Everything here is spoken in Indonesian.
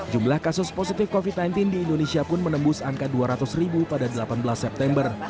jumlah kasus positif covid sembilan belas di indonesia pun menembus angka dua ratus ribu pada delapan belas september